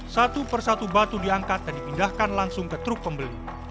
satu persatu batu diangkat dan dipindahkan langsung ke truk pembeli